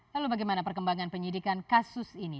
lalu bagaimana perkembangan penyidikan kasus ini